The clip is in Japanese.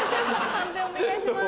判定お願いします。